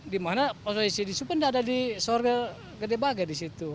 di mana posisi di supenda ada di sorga gede baga di situ